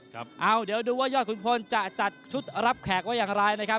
ครับเอาเดี๋ยวดูว่ายอดขุนพลจะจัดชุดรับแขกว่าอย่างไรนะครับ